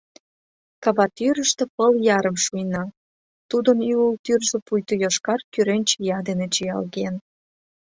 Кава тӱрыштӧ пыл ярым шуйна, тудын ӱлыл тӱржӧ пуйто йошкар-кӱрен чия дене чиялген.